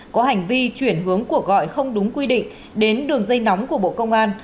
có hành vi chuyển hướng cuộc gọi không đúng quy định đến đường dây nóng của bộ công an